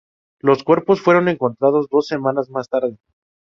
Los cuerpos fueron encontrados dos semanas más tarde.